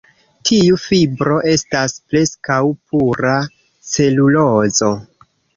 Tiu fibro estas preskaŭ pura celulozo.